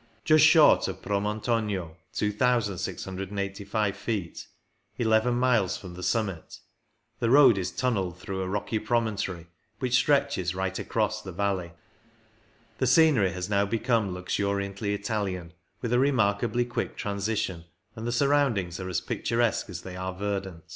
Just short of Promontogno (2,685 ft), 11 miles from the summit, the road is tunnelled through a rocky promontory which stretches right across the valley. The scenery has now become luxuriantly Italian, with a remarkably quick transition, and the surroundings are as picturesque as they are verdant.